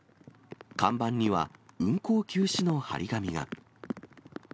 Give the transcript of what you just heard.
看板には運航休止の貼り紙が。